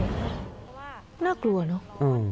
เพราะว่าน่ากลัวเนอะ